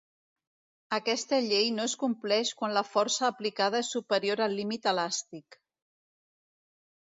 Aquesta llei no es compleix quan la força aplicada és superior al límit elàstic.